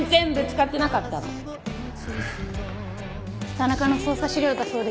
田中の捜査資料だそうです。